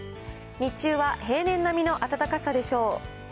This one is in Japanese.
日中は平年並みの暖かさでしょう。